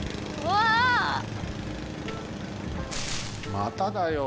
まただよ。